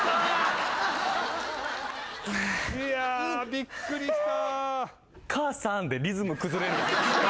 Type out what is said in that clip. びっくりした。